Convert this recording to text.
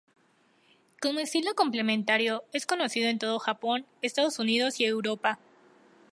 Como estilo complementario, es conocido en todo el Japón, Estados Unidos y Europa.